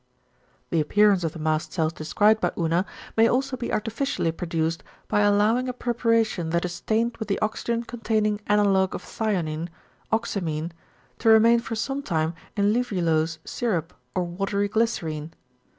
The appearance of the mast cells described by Unna may also be artificially produced, by allowing a preparation that is stained with the oxygen containing analogue of thionin, oxamine, to remain for some time in lævulose syrup or watery glycerine.